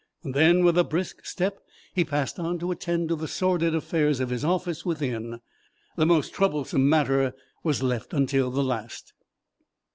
Then with a brisk step he passed on to attend to the sordid affairs of his office within. The most troublesome matter was left until the last.